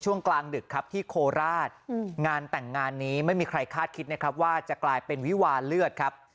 กลางดึกครับที่โคราชงานแต่งงานนี้ไม่มีใครคาดคิดนะครับว่าจะกลายเป็นวิวาเลือดครับ